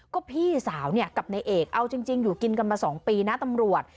ก็พี่สาวเนี่ยกับนายเอกเอาจริงอยู่กินกันมา๒ปีนะตำรวจ